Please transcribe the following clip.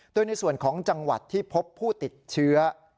โดยในส่วนของจังหวัดที่พบผู้ติดเชื้อ